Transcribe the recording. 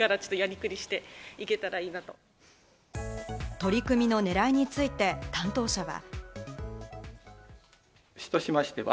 取り組みのねらいについて担当者は。